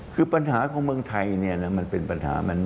คือปัญหาของเมืองไทยมันเป็นปัญหา